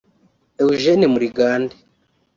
Eugène Muligande